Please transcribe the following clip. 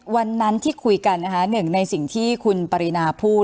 วันนั้นที่คุยกันนะคะหนึ่งในสิ่งที่คุณปรินาพูด